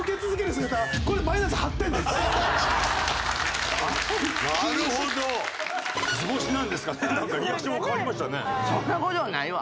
そんな事ないわ。